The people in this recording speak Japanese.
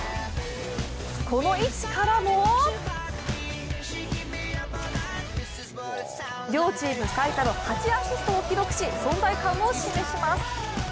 この位置からも両チーム最多の８アシストを記録し存在感を示します。